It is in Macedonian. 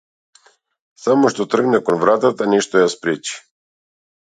Само што тргна кон вратата нешто ја спречи.